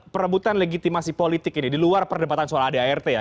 perebutan legitimasi politik ini di luar perdebatan soal adart ya